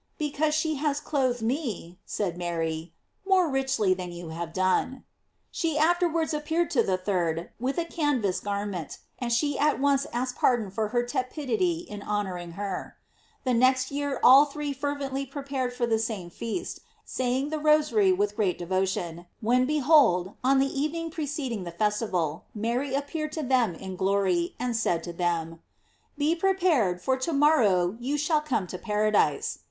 "Because she has clothed me," said Mary, "more richly than you have done." She afterwards appeared to the third with a canvas garment, and she at once asked pardon for her tepidity in honoring her. The next year all three fervently prepared for the same feast, saying the Rosary with great devotion, when behold, on the evening preceding the festival, Mary appeared to them in glory, and said to them: "Be prepared, for to morrow you shall come to paradise."